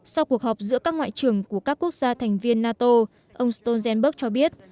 sau cuộc họp giữa các ngoại trưởng của các quốc gia thành viên nato ông stoltenberg cho biết